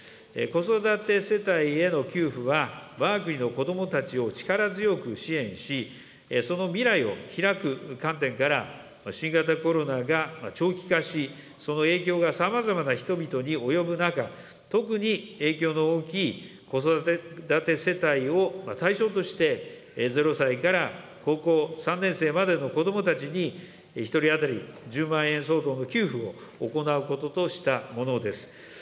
子育て世帯への給付は、わが国の子どもたちを力強く支援し、その未来をひらく観点から、新型コロナが長期化し、その影響がさまざまな人々に及ぶ中、特に影響の大きい子育て世帯を対象として、０歳から高校３年生までの子どもたちに、１人当たり１０万円相当の給付を行うこととしたものです。